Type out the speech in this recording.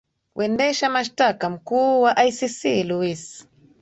wendesha mashtaka mkuu wa icc luis